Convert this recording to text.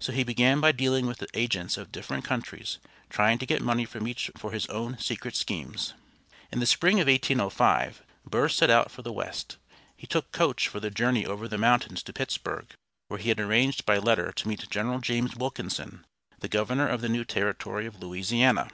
So he began by dealing with the agents of different countries, trying to get money from each for his own secret schemes. In the spring of 1805 Burr set out for the West. He took coach for the journey over the mountains to Pittsburgh, where he had arranged by letter to meet General James Wilkinson, the governor of the new territory of Louisiana.